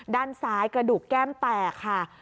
ด้านซ้ายกระดูกแก้มแตกค่ะ